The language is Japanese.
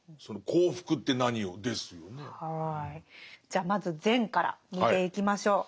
じゃあまず善から見ていきましょう。